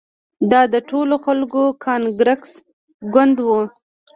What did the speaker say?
دا د ټولو خلکو کانګرس ګوند وو.